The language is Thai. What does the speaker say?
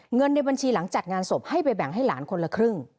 เงินในบัญชีหลังจัดงานศพให้ไปแบ่งให้หลานคนละครึ่ง